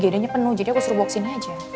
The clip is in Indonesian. gd nya penuh jadi aku suruh bawa ke sini aja